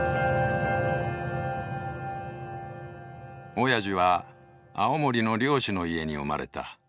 おやじは青森の漁師の家に生まれた。